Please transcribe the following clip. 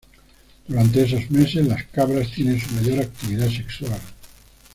Durante esos meses las cabras tienen su mayor actividad sexual.